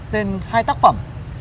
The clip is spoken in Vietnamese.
tên hai tác phẩm